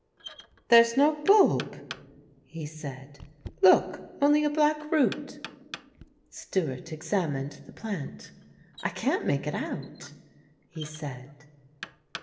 "There's no bulb," he said. "Look! Only a black root." Stewart examined the plant. "I can't make it out," he said.